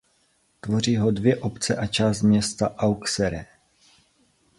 Tvoří ho dvě obce a část města Auxerre.